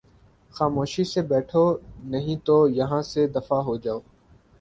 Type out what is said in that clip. خاموشی سے بیٹھو نہیں تو یہاں سے دفعہ ہو جاؤ